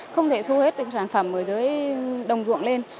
không thể xu hướng hết sản phẩm ở dưới đồng ruộng lên